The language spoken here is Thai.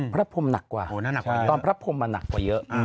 พรมหนักกว่าตอนพระพรมมาหนักกว่าเยอะ